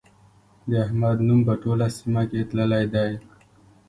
د احمد نوم په ټوله سيمه کې تللی دی.